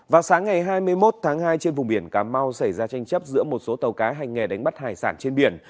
vào sáng ngày hai mươi một tháng hai trên vùng biển cà mau xảy ra tranh chấp giữa một số tàu cá hành nghề đánh bắt hải sản trên biển